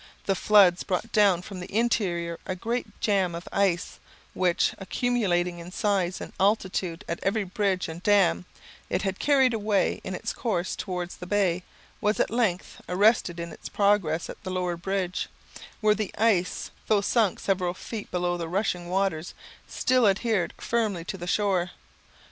The floods brought down from the interior a great jam of ice, which, accumulating in size and altitude at every bridge and dam it had carried away in its course towards the bay, was at length arrested in its progress at the lower bridge, where the ice, though sunk several feet below the rushing waters, still adhered firmly to the shore.